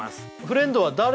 フレンドは誰？